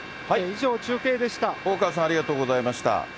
大川さん、ありがとうございました。